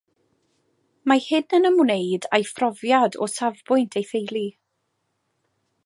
Mae hyn yn ymwneud â'i phrofiad o safbwynt ei theulu.